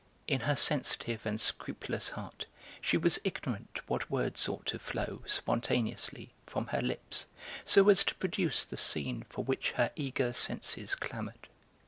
In her sensitive and scrupulous heart she was ignorant what words ought to flow, spontaneously, from her lips, so as to produce the scene for which her eager senses clamoured.